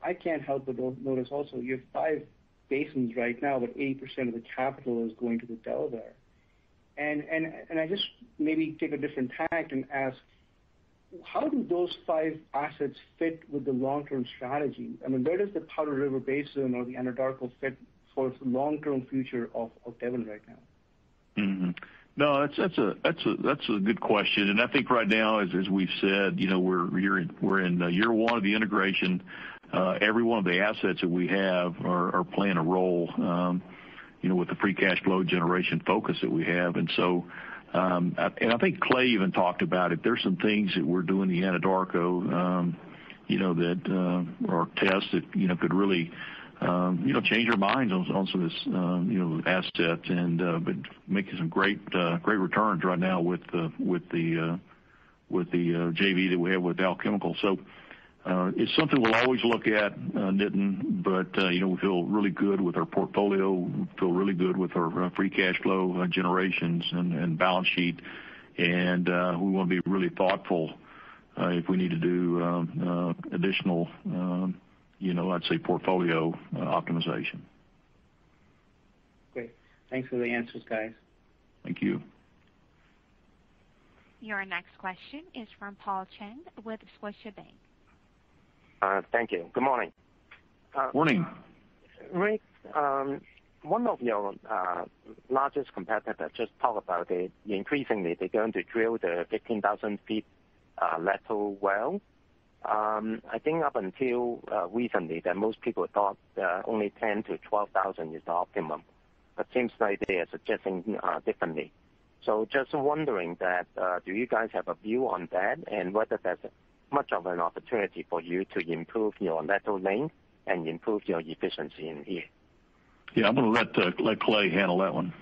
Speaker 12: I can't help but notice also you have five basins right now, but 80% of the capital is going to the Delaware. I just maybe take a different tack and ask, how do those five assets fit with the long-term strategy? Where does the Powder River Basin or the Anadarko fit for the long-term future of Devon right now?
Speaker 3: No, that's a good question. I think right now, as we've said, we're in year one of the integration. Every one of the assets that we have are playing a role with the free cash flow generation focus that we have. I think Clay even talked about it. There's some things that we're doing in the Anadarko that, or tests that could really change our minds on some of these assets, but making some great returns right now with the JV that we have with The Dow Chemical Company. It's something we'll always look at, Nitin, but we feel really good with our portfolio. We feel really good with our free cash flow generations and balance sheet. We want to be really thoughtful if we need to do additional, let's say, portfolio optimization.
Speaker 12: Great. Thanks for the answers, guys.
Speaker 3: Thank you.
Speaker 1: Your next question is from Paul Cheng with Scotiabank.
Speaker 13: Thank you. Good morning.
Speaker 3: Morning.
Speaker 13: Rick, one of your largest competitor just talked about it. Increasingly, they're going to drill the 15,000 feet lateral well. I think up until recently that most people thought that only 10,000 to 12,000 is the optimum, but seems like they are suggesting differently. Just wondering that, do you guys have a view on that, and whether that's much of an opportunity for you to improve your lateral length and improve your efficiency in here?
Speaker 3: Yeah, I'm going to let Clay handle that one.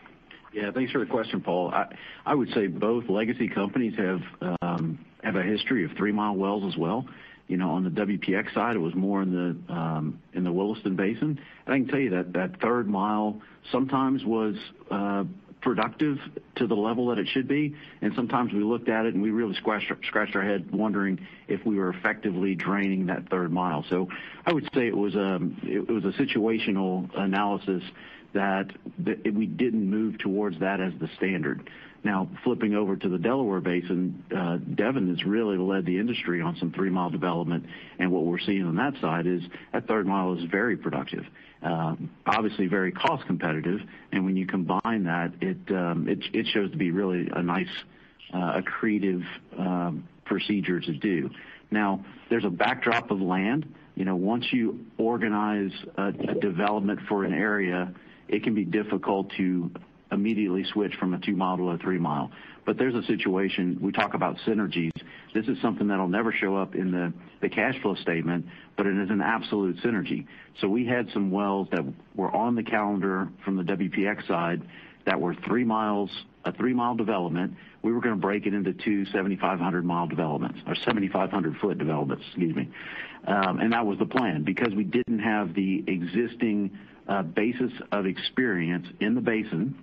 Speaker 4: Yeah, thanks for the question, Paul. I would say both legacy companies have a history of three-mile wells as well. On the WPX side, it was more in the Williston Basin. I can tell you that that third mile sometimes was productive to the level that it should be, and sometimes we looked at it, and we really scratched our head wondering if we were effectively draining that third mile. I would say it was a situational analysis that we didn't move towards that as the standard. Now, flipping over to the Delaware Basin, Devon has really led the industry on some three-mile development, and what we're seeing on that side is that third mile is very productive, obviously very cost competitive, and when you combine that, it shows to be really a nice accretive procedure to do. Now, there's a backdrop of land. Once you organize a development for an area, it can be difficult to immediately switch from a two-mile to a three-mile. There's a situation, we talk about synergies. This is something that'll never show up in the cash flow statement, but it is an absolute synergy. We had some wells that were on the calendar from the WPX side that were a three-mile development. We were going to break it into two 7,500-mile developments, or 7,500-foot developments, excuse me. That was the plan because we didn't have the existing basis of experience in the basin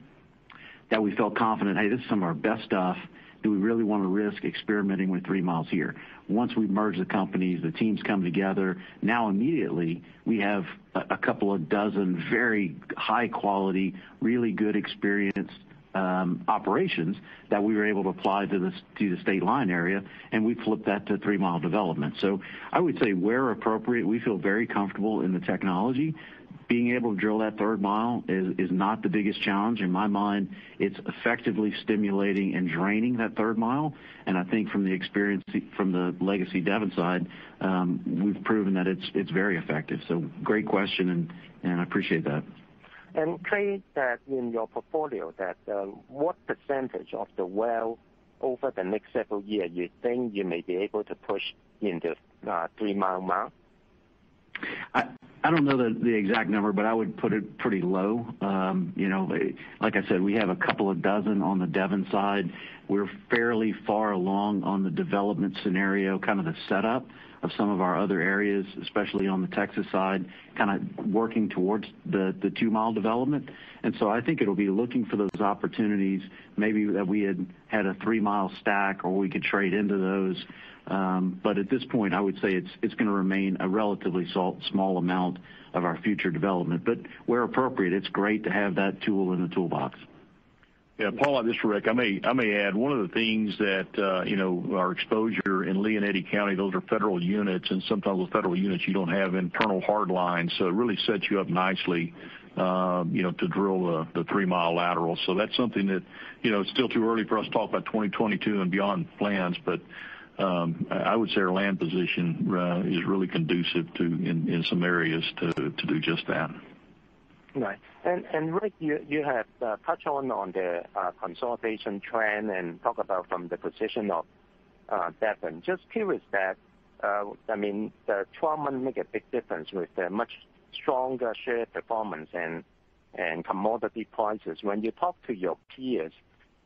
Speaker 4: that we felt confident, "Hey, this is some of our best stuff. Do we really want to risk experimenting with three miles here?" Once we merge the companies, the teams come together. Immediately, we have a couple of dozen very high-quality, really good experienced operations that we were able to apply to the state line area, and we flipped that to three-mile development. I would say where appropriate, we feel very comfortable in the technology. Being able to drill that third mile is not the biggest challenge. In my mind, it's effectively stimulating and draining that third mile. I think from the experience from the legacy Devon side, we've proven that it's very effective. Great question. I appreciate that.
Speaker 13: Clay, in your portfolio, what percentage of the well over the next several year you think you may be able to push into three-mile?
Speaker 4: I don't know the exact number, but I would put it pretty low. Like I said, we have a couple of dozen on the Devon side. We're fairly far along on the development scenario, kind of the setup of some of our other areas, especially on the Texas side, kind of working towards the two-mile development. I think it'll be looking for those opportunities, maybe that we had a three-mile stack or we could trade into those. At this point, I would say it's going to remain a relatively small amount of our future development. Where appropriate, it's great to have that tool in the toolbox.
Speaker 3: Yeah, Paul, this is Rick. I may add, one of the things that our exposure in Lea and Eddy County, those are federal units, and sometimes with federal units, you don't have internal hard lines. It really sets you up nicely to drill the three-mile lateral. That's something that it's still too early for us to talk about 2022 and beyond plans, but I would say our land position is really conducive in some areas to do just that.
Speaker 13: Right. Rick, you have touched on the consolidation trend and talk about from the position of Devon. Just curious that the trend might make a big difference with a much stronger share performance and commodity prices. When you talk to your peers,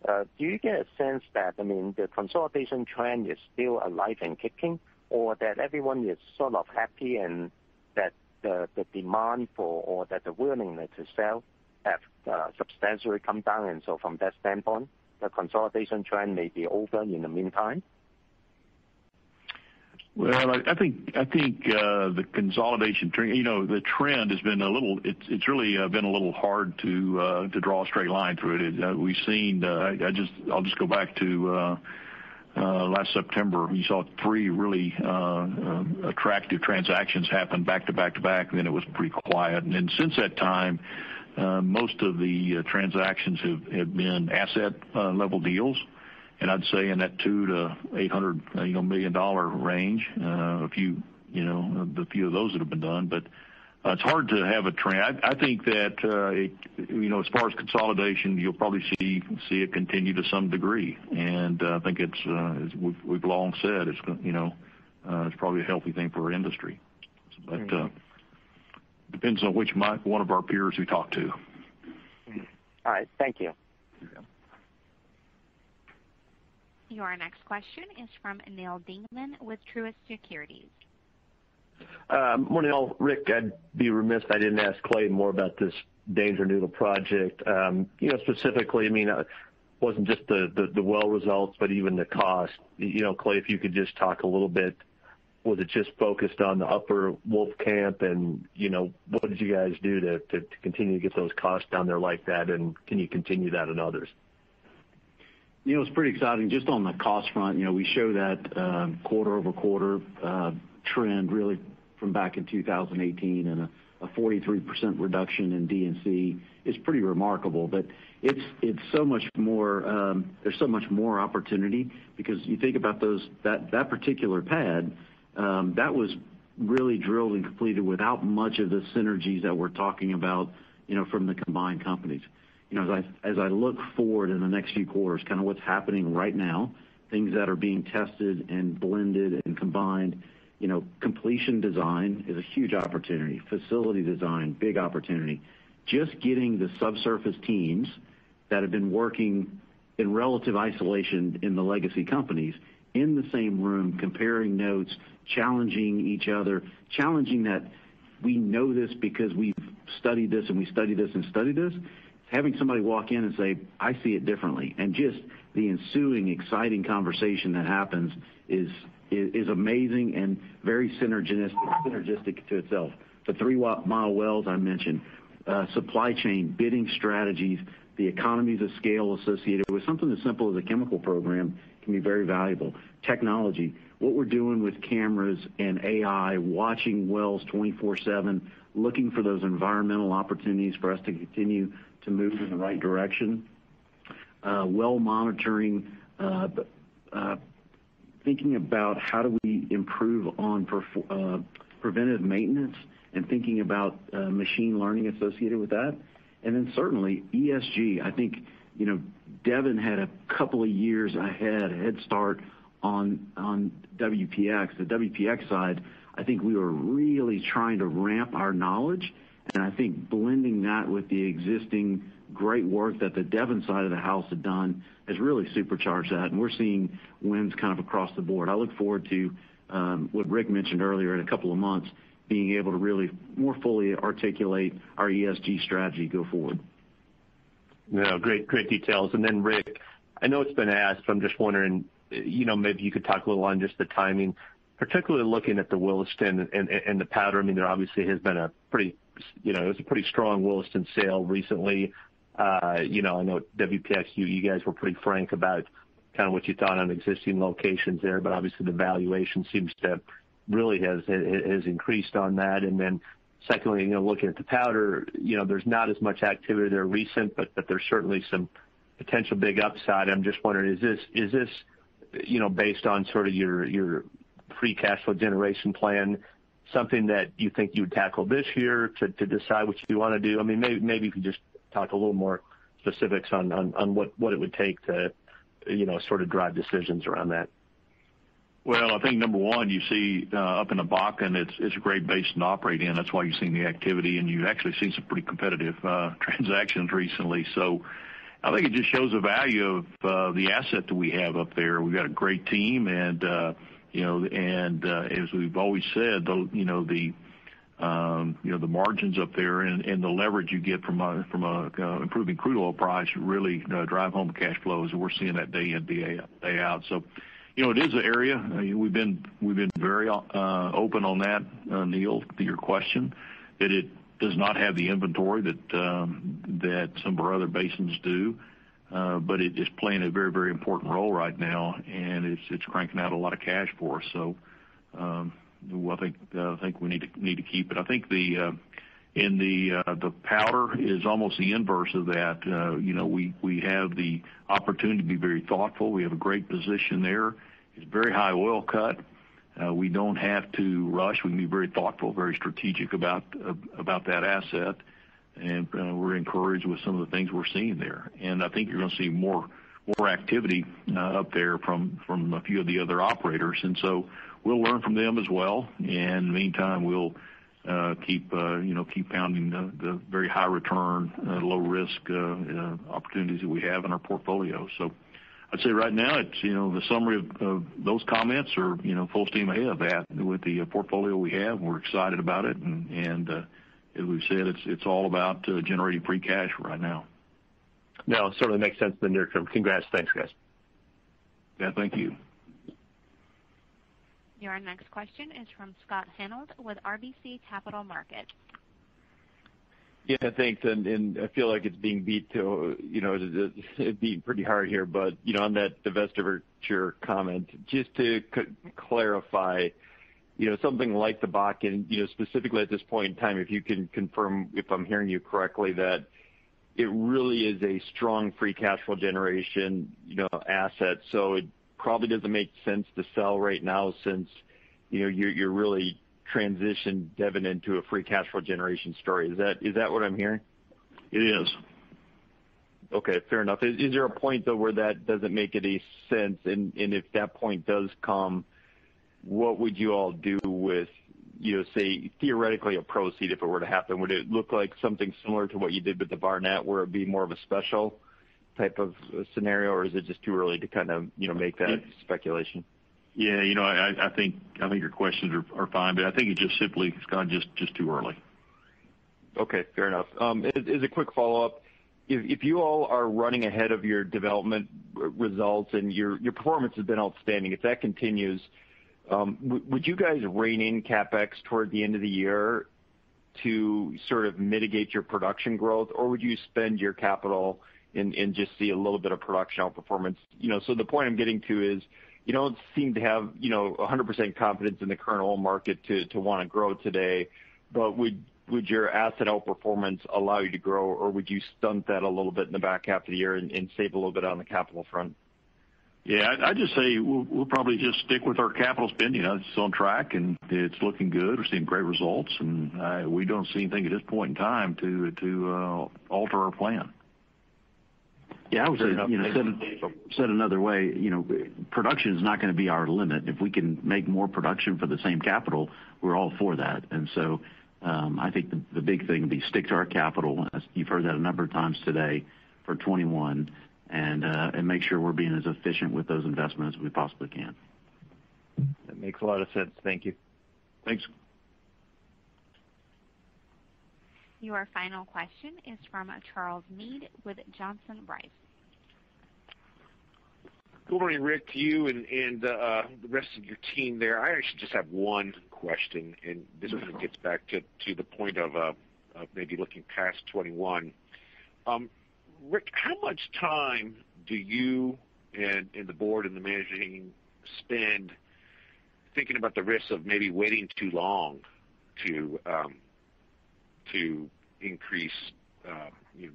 Speaker 13: do you get a sense that the consolidation trend is still alive and kicking, or that everyone is sort of happy and that the demand for, or that the willingness to sell have substantially come down, and so from that standpoint, the consolidation trend may be over in the meantime?
Speaker 3: Well, I think, the consolidation trend, it's really been a little hard to draw a straight line through it. I'll just go back to last September. We saw three really attractive transactions happen back to back to back. It was pretty quiet. Since that time, most of the transactions have been asset-level deals, and I'd say in that $2-$800 million range. A few of those that have been done. It's hard to have a trend. I think that, as far as consolidation, you'll probably see it continue to some degree. I think as we've long said, it's probably a healthy thing for our industry. Depends on which one of our peers we talk to.
Speaker 13: All right. Thank you.
Speaker 3: You're welcome.
Speaker 1: Your next question is from Neal Dingmann with Truist Securities.
Speaker 14: Morning all. Rick, I'd be remiss if I didn't ask Clay more about this Danger Noodle project. Specifically, it wasn't just the well results, but even the cost. Clay, if you could just talk a little bit, was it just focused on the Upper Wolfcamp and what did you guys do to continue to get those costs down there like that, and can you continue that in others?
Speaker 4: It's pretty exciting. Just on the cost front, we show that quarter-over-quarter trend really from back in 2018, a 43% reduction in D&C is pretty remarkable. There's so much more opportunity because you think about that particular pad, that was really drilled and completed without much of the synergies that we're talking about from the combined companies. As I look forward in the next few quarters, kind of what's happening right now, things that are being tested and blended and combined. Completion design is a huge opportunity. Facility design, big opportunity. Just getting the subsurface teams that have been working in relative isolation in the legacy companies in the same room, comparing notes, challenging each other, challenging that we know this because we've studied this. Having somebody walk in and say, "I see it differently." Just the ensuing exciting conversation that happens is amazing and very synergistic to itself. The three mile wells I mentioned. Supply chain, bidding strategies, the economies of scale associated with something as simple as a chemical program can be very valuable. Technology. What we're doing with cameras and AI, watching wells 24/7, looking for those environmental opportunities for us to continue to move in the right direction. Well monitoring. Thinking about how do we improve on preventive maintenance and thinking about machine learning associated with that. Then certainly, ESG. I think Devon had a couple of years ahead, a head start on WPX. The WPX side, I think we were really trying to ramp our knowledge, and I think blending that with the existing great work that the Devon side of the house had done has really supercharged that, and we're seeing wins kind of across the board. I look forward to what Rick mentioned earlier, in a couple of months, being able to really more fully articulate our ESG strategy go forward.
Speaker 14: Yeah. Great details. Then Rick, I know it's been asked, but I'm just wondering, maybe you could talk a little on just the timing, particularly looking at the Williston and the Powder. There obviously has been a pretty strong Williston sale recently. I know WPX, you guys were pretty frank about kind of what you thought on existing locations there, but obviously the valuation really has increased on that. Secondly, looking at the Powder, there's not as much activity there recent, but there's certainly some potential big upside. I'm just wondering, is this based on sort of your free cash flow generation plan, something that you think you would tackle this year to decide what you want to do? Maybe you could just talk a little more specifics on what it would take to sort of drive decisions around that.
Speaker 3: Well, I think number one, you see up in the Bakken, it's a great basin to operate in. That's why you're seeing the activity, and you actually see some pretty competitive transactions recently. I think it just shows the value of the asset that we have up there. We've got a great team and as we've always said, the margins up there and the leverage you get from improving crude oil price really drive home cash flows, and we're seeing that day in, day out. It is an area. We've been very open on that, Neal, to your question, that it does not have the inventory that some of our other basins do. It is playing a very important role right now, and it's cranking out a lot of cash for us. I think we need to keep it. I think in the Powder is almost the inverse of that. We have the opportunity to be very thoughtful. We have a great position there. It's very high oil cut. We don't have to rush. We can be very thoughtful, very strategic about that asset, we're encouraged with some of the things we're seeing there. I think you're going to see more activity up there from a few of the other operators. We'll learn from them as well. In the meantime, we'll keep pounding the very high return, low risk opportunities that we have in our portfolio. I'd say right now, the summary of those comments are full steam ahead with the portfolio we have. We're excited about it, as we've said, it's all about generating free cash right now.
Speaker 14: No, certainly makes sense in the near term. Congrats. Thanks, guys.
Speaker 3: Yeah. Thank you.
Speaker 1: Your next question is from Scott Hanold with RBC Capital Markets.
Speaker 15: Yeah, thanks. I feel like it's being beat pretty hard here, on that divestiture comment, just to clarify, something like the Bakken, specifically at this point in time, if you can confirm if I'm hearing you correctly, that it really is a strong free cash flow generation asset. It probably doesn't make sense to sell right now since you're really transitioned Devon into a free cash flow generation story. Is that what I'm hearing?
Speaker 3: It is.
Speaker 15: Okay, fair enough. Is there a point, though, where that doesn't make any sense? If that point does come, what would you all do with, say, theoretically, a proceed if it were to happen? Would it look like something similar to what you did with the Barnett, where it'd be more of a special type of scenario, or is it just too early to make that speculation?
Speaker 3: Yeah. I think your questions are fine, but I think it just simply is kind of just too early.
Speaker 15: Okay, fair enough. As a quick follow-up, if you all are running ahead of your development results and your performance has been outstanding, if that continues, would you guys rein in CapEx toward the end of the year to sort of mitigate your production growth? Would you spend your capital and just see a little bit of production outperformance? The point I'm getting to is, you don't seem to have 100% confidence in the current oil market to want to grow today, but would your asset outperformance allow you to grow, or would you stunt that a little bit in the back half of the year and save a little bit on the capital front?
Speaker 3: Yeah. I'd just say we'll probably just stick with our capital spend. It's on track, and it's looking good. We're seeing great results, and we don't see anything at this point in time to alter our plan.
Speaker 4: I would say, said another way, production is not going to be our limit. If we can make more production for the same capital, we're all for that. I think the big thing would be stick to our capital, as you've heard that a number of times today, for 2021, and make sure we're being as efficient with those investments as we possibly can.
Speaker 15: That makes a lot of sense. Thank you.
Speaker 3: Thanks.
Speaker 1: Your final question is from Charles Meade with Johnson Rice.
Speaker 16: Good morning, Rick, to you and the rest of your team there. I actually just have one question, and this kind of gets back to the point of maybe looking past 2021. Rick, how much time do you and the board and the managing spend thinking about the risks of maybe waiting too long to increase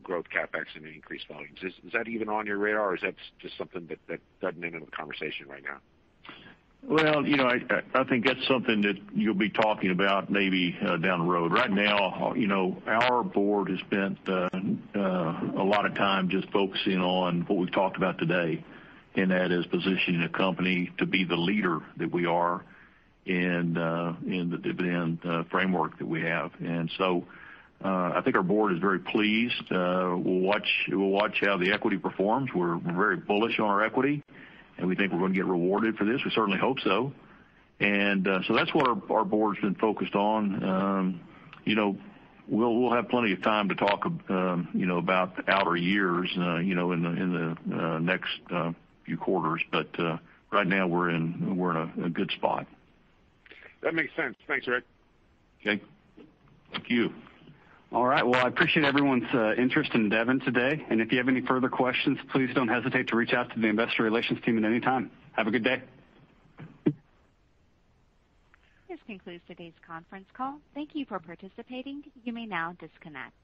Speaker 16: growth CapEx and increase volumes? Is that even on your radar, or is that just something that doesn't enter the conversation right now?
Speaker 3: Well, I think that's something that you'll be talking about maybe down the road. Right now, our board has spent a lot of time just focusing on what we've talked about today, that is positioning the company to be the leader that we are in the dividend framework that we have. I think our board is very pleased. We'll watch how the equity performs. We're very bullish on our equity, we think we're going to get rewarded for this. We certainly hope so. That's what our board's been focused on. We'll have plenty of time to talk about outer years in the next few quarters, right now we're in a good spot.
Speaker 16: That makes sense. Thanks, Rick.
Speaker 3: Okay. Thank you.
Speaker 2: All right. Well, I appreciate everyone's interest in Devon today. If you have any further questions, please don't hesitate to reach out to the investor relations team at any time. Have a good day.
Speaker 1: This concludes today's conference call. Thank you for participating. You may now disconnect.